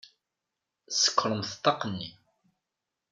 Sekkṛemt ṭṭaq-nni!